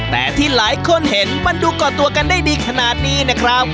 แต่ที่หลายคนเห็นมันดูก่อตัวกันได้ดีขนาดนี้นะครับ